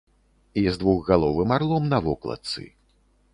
І з двухгаловым арлом на вокладцы.